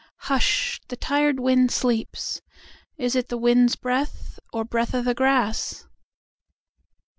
Hush: the tired wind sleeps:Is it the wind's breath, orBreath o' the grass?